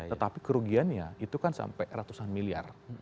tetapi kerugiannya itu kan sampai ratusan miliar